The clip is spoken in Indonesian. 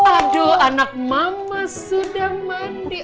aduh anak mama sedang mandi